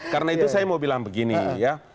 karena itu saya mau bilang begini ya